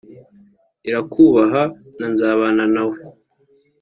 Irakubaha na Nzabana nawe”